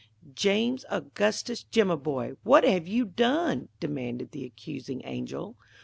"James Augustus Jimaboy! What have you done?" demanded the accusing angel.